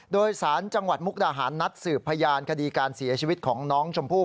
โดยสารจังหวัดมุกดาหารนัดสืบพยานคดีการเสียชีวิตของน้องชมพู่